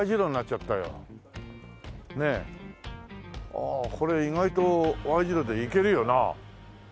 ああこれ意外とＹ字路で行けるよな。